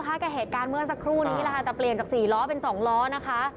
ลักษณะก็คือแหกการเมื่อสักครู่นี้ละค่ะแต่เปลี่ยนจาก๔ล้อเป็น๒ล้อนะคะ